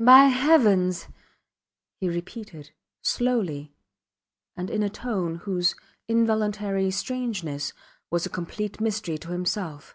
By Heavens! he repeated, slowly, and in a tone whose involuntary strangeness was a complete mystery to himself.